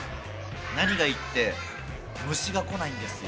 何がいいって、虫が来ないんですよ。